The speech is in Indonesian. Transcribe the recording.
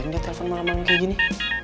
tuh lambing deh telfon malam malam kayak gini